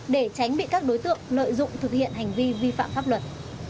để tránh bị các đối tượng lợi dụng thực hiện hành vi vi phạm pháp luật